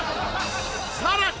さらに！